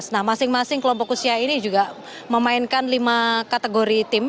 nah masing masing kelompok usia ini juga memainkan lima kategori tim